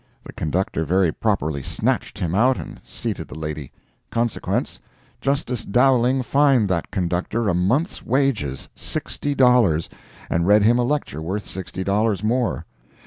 The conductor very properly snatched him out and seated the lady. Consequence: Justice Dowling fined that conductor a month's wages—sixty dollars—and read him a lecture worth sixty dollars more.